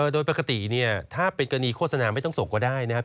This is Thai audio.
โดยปกติเนี่ยถ้าเป็นกรณีโฆษณาไม่ต้องส่งก็ได้นะครับ